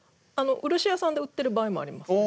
漆屋さんで売ってる場合もあります。